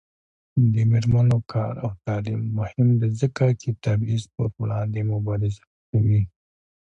د میرمنو کار او تعلیم مهم دی ځکه چې تبعیض پر وړاندې مبارزه کوي.